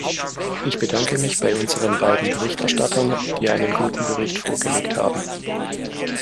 Ich bedanke mich bei unseren beiden Berichterstattern, die einen guten Bericht vorgelegt haben.